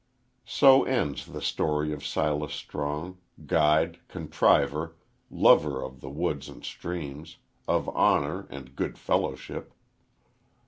So ends the history of Silas Strong, guide, contriver, lover of the woods and streams, of honor and good fellowship.